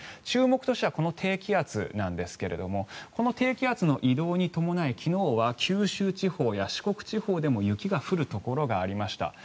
注目としてはこの低気圧なんですがこの低気圧の移動に伴い昨日は九州地方や四国地方でも雪が降るところがありました。